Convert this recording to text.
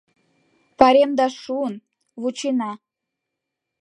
Пайремда шуын — вучена.